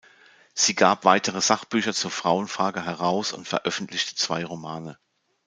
Sie gab weitere Sachbücher zur Frauenfrage heraus und veröffentlichte zwei Romane.